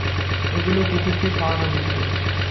এগুলো কুকুরকে খাওয়ানোর বিস্কুট!